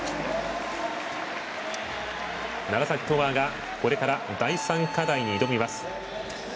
楢崎智亜がこれから第３課題に挑みます。